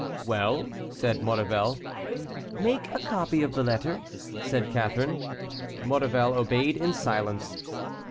"Well?" said Maurevel. "Make a copy of the letter," said Catharine. Maurevel obeyed in silence.